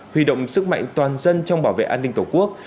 huy động sức mạnh toàn dân trong bảo vệ an ninh tổ quốc